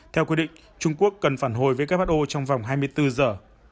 theo quy định trung quốc cần phản hồi who trong vòng hai mươi bốn giờ